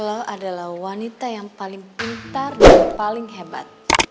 kalau adalah wanita yang paling pintar dan paling hebat